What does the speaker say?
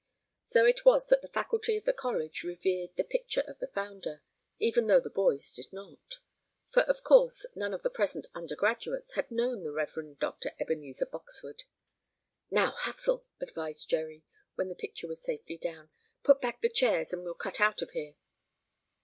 So it was that the faculty of the college revered the picture of the founder, even though the boys did not. For, of course, none of the present undergraduates had known the Rev. Dr. Ebenezer Boxwood. "Now hustle!" advised Jerry, when the picture was safely down. "Put back the chairs, and we'll cut out of here."